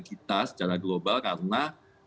kita secara global karena